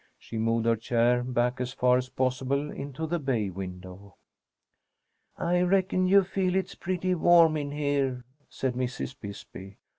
She moved her chair back as far as possible into the bay window. "I reckon you feel it's pretty warm in here," said Mrs. Bisbee.